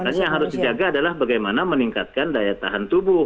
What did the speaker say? makanya yang harus dijaga adalah bagaimana meningkatkan daya tahan tubuh